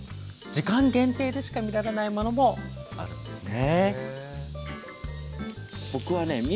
時間限定でしか見られないものもあるんですね。